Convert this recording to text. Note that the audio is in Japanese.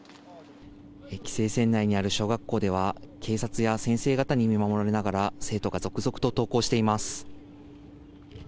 規制線内にある小学校では、警察や先生方に見守られながら、生徒が続々と登校しています。